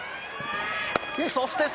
そして、外！